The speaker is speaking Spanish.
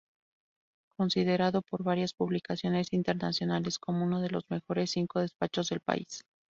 Considerado por varias publicaciones internacionales como uno de los mejores cinco despachos del País.